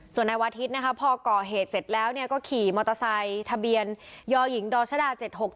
เสร็จแล้วเนี่ยก็ขี่มอเตอร์ไซค์ทะเบียนยอยหญิงดรชดา๗๖๗๖